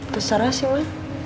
terserah sih ma